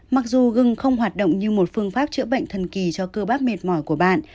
mặc dù gừng không hoạt động như một phương pháp chữa bệnh thần kỳ cho cơ bác mệt mỏi của bạn